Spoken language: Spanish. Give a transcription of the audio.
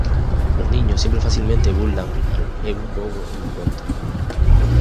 Los niños siempre fácilmente burlan al Ebu Gogo en los cuentos.